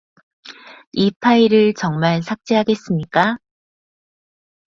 이 파일을 정말 삭제하겠습니까?